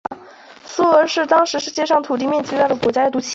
苏俄是当时世界上土地面积最大的国家。